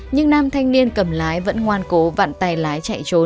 nhưng nam thanh niên cầm lái vẫn ngoan cố vặn tay lái